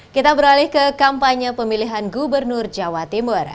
kita beralih ke kampanye pemilihan gubernur jawa timur